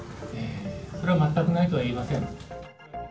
それは全くないとは言えません。